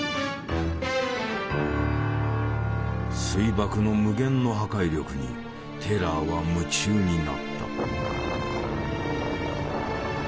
水爆の無限の破壊力にテラーは夢中になった。